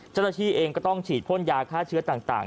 เจ้าหน้าที่เองก็ต้องฉีดพ่นยาฆ่าเชื้อต่าง